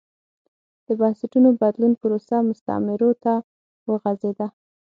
د بنسټونو بدلون پروسه مستعمرو ته وغځېده.